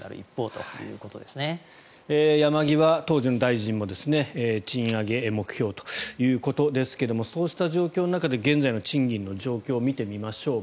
当時の山際大臣も賃上げ目標ということですがそうした状況の中で現在の賃金の状況を見てみましょう。